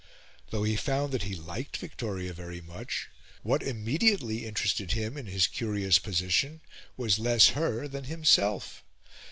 Though he found that he liked Victoria very much, what immediately interested him in his curious position was less her than himself.